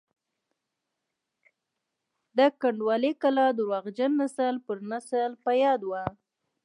د کنډوالې کلا درواغجن نسل پر نسل په یادو وو.